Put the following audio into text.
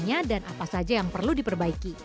kemudian mereka memasukkan furniture yang sudah rusak